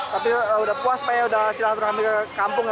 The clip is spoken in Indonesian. tapi udah puas pak ya udah silat rohami ke kampung